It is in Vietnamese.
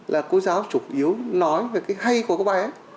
là cô giáo chủ yếu nói về cái hay của cái bài ấy